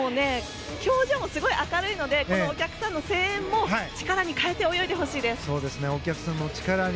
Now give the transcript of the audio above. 表情もすごい明るいのでお客さんの声援も力に変えてお客さんを力に。